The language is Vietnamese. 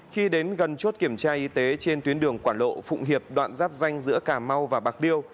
khi đến gần chốt kiểm tra y tế trên tuyến đường quảng lộ phụng hiệp đoạn giáp danh giữa cà mau và bạc liêu